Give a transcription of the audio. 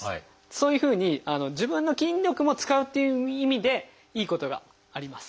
そういうふうに自分の筋力も使うっていう意味でいいことがあります。